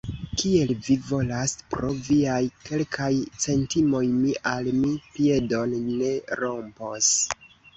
Kiel vi volas; pro viaj kelkaj centimoj mi al mi piedon ne rompos.